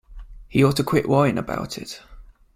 He ought to quit worrying about it.